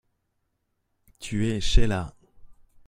Tu es Sheila.